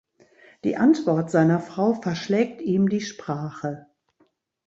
Die Antwort seiner Frau verschlägt ihm die Sprache.